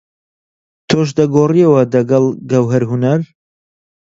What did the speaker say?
تۆش دەگۆڕیەوە دەگەڵ گەوهەر هونەر؟